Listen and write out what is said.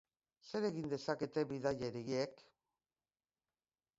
Zer egin dezakete bidaiariek?